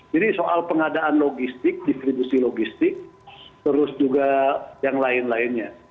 jadi soal pengadaan logistik distribusi logistik terus juga yang lain lainnya